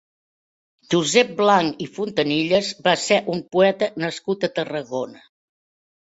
Josep Blanch i Fontanilles va ser un poeta nascut a Tarragona.